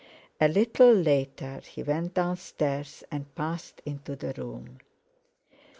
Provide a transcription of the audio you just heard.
A little later he went downstairs and passed into the room.